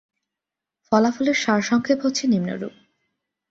ফলাফলের সার-সংক্ষেপ হচ্ছে নিম্নরূপ।